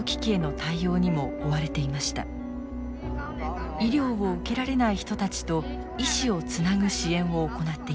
医療を受けられない人たちと医師をつなぐ支援を行っています。